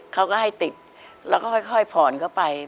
เขาก็ให้ติดแล้วก็ค่อยผ่อนเข้าไป